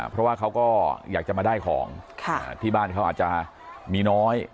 เพราะว่าเขาก็อยากจะมาได้ของที่บ้านเขาอาจจะมีน้อย